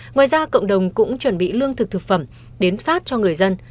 ngoài ra cộng đồng cũng chuẩn bị lương thực thực phẩm đến phát cho người dân